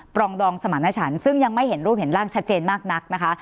รองดองสมรรถฉันซึ่งยังไม่เห็นรูปเห็นร่างชัดเจนมากนักนะคะ